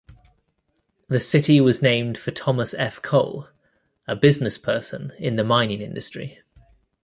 The city was named for Thomas F. Cole, a businessperson in the mining industry.